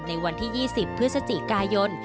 ในวันที่๒๐พฤศจิกายน